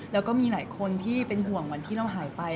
แล้วก็มีหลายคนที่เป็นห่วงวันที่เราหายไป